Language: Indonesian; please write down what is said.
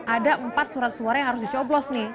ada empat surat suara yang harus dicoblos nih